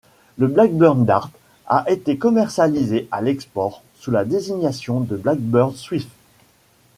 Le Blackburn Dart a été commercialisé à l'export sous la désignation de Blackburn Swift.